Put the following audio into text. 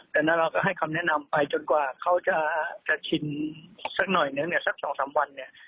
แต่เราก็ให้คำแนะนำไปจนกว่าเขาจะชินสักหน่อยนึงเนี่ยสัก๒๓วันเนี่ย